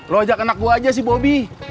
lo ajak anak gue aja sih bobby